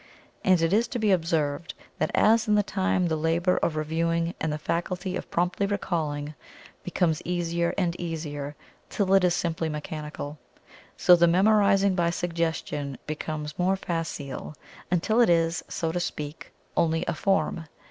And it is to be observed that as in time the labor of reviewing and the faculty of promptly recalling becomes easier and easier till it is simply mechanical, so the memorizing by suggestion becomes more facile until it is, so to speak, only a form.